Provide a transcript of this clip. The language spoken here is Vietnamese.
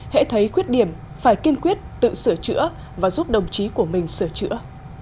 hãy thấy khuyết điểm phải kiên quyết tự sửa chữa và giúp đồng chí của mình sửa chữa